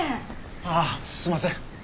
ああすいません。